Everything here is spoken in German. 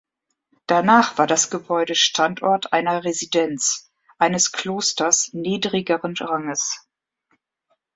Danach war das Gebäude Standort einer Residenz, eines Klosters niedrigeren Ranges.